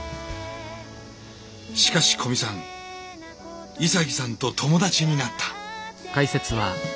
しかし古見さん潔さんと友達になった！